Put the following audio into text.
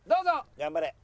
頑張れ。